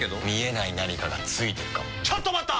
見えない何かがついてるかも。